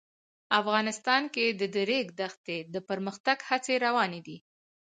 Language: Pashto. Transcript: افغانستان کې د د ریګ دښتې د پرمختګ هڅې روانې دي.